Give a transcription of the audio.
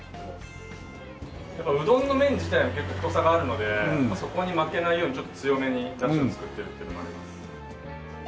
やっぱうどんの麺自体も結構太さがあるのでそこに負けないようにちょっと強めに出汁を作ってるってのもあります。